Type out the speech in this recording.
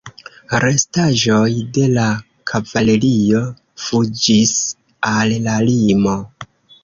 Restaĵoj de la kavalerio fuĝis al la limo.